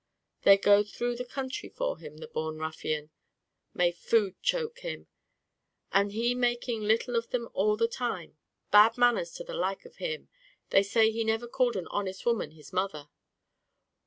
They'd go through the country for him, the born ruffian, may food choke him! and he making little of them all the time. Bad manners to the like of him! they say he never called an honest woman his mother.